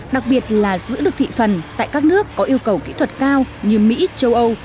đặc biệt là giữ được thị phần tại các nước có yêu cầu kỹ thuật cao như mỹ châu âu